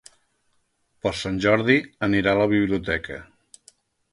Per Sant Jordi anirà a la biblioteca.